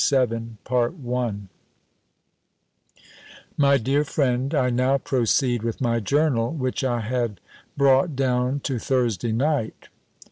LETTER XXXVII MY DEAR FRIEND, I now proceed with my journal, which I had brought down to Thursday night.